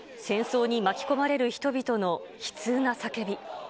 戦争に巻き込まれる人々の悲痛な叫び。